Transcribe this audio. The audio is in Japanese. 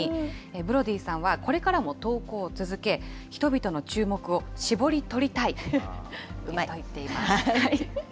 ブロディさんは、これからも投稿を続け、人々の注目を搾り取りたいと言っています。